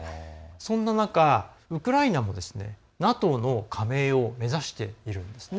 そんな中、ウクライナもＮＡＴＯの加盟を目指しているんですね。